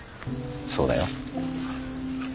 そうだよ。